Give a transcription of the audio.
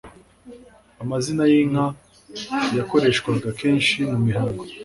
Amazina y'inka yakoreshwaga kenshi mu mihango